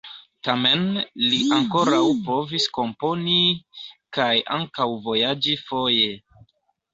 Tamen li ankoraŭ povis komponi kaj ankaŭ vojaĝi foje.